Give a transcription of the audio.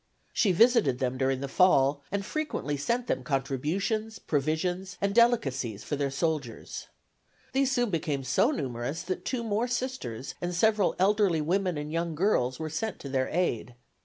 She visited them during the fall, and frequently sent them contributions, provisions and delicacies for their sick soldiers. These soon became so numerous that two more Sisters and several elderly women and young girls were sent to their aid.